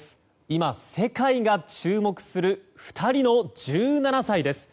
今、世界が注目する２人の１７歳です。